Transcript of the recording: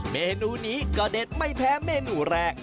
เมนูนี้ก็เด็ดไม่แพ้เมนูแรก